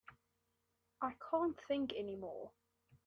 I can't think any more.